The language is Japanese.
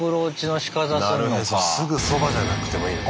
すぐそばじゃなくてもいいの。